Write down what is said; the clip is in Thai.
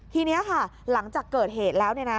ทีนี้ค่ะหลังจากเกิดเหตุแล้ว